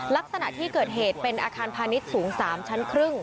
ลักษณะที่เกิดเหตุเป็นอาคารพาณิชย์สูง๓ชั้นครึ่ง